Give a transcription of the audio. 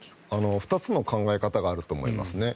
２つの考え方があると思います。